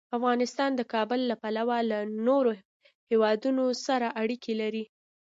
افغانستان د کابل له پلوه له نورو هېوادونو سره اړیکې لري.